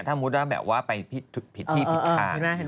ถ้าพูดว่าไปผิดพี่ผิดค่า